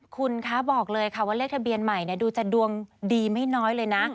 คุณคะบอกเลยค่ะว่าเลขทะเบียนใหม่ดูจะดวงดีไม่น้อยเลยนะ